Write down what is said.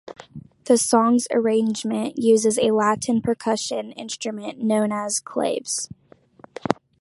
The song's arrangement uses a Latin percussion instrument known as claves.